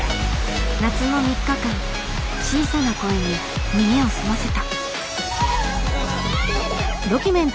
夏の３日間小さな声に耳を澄ませた。